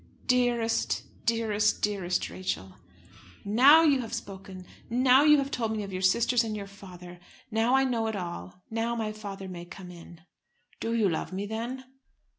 "Dearest, dearest, dearest Rachel." "Now you have spoken; now you have told me of your sisters and your father. Now I know it all! Now my father may come in." "Do you love me, then?"